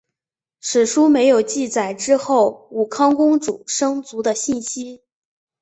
史书没有记载之后武康公主生卒的信息。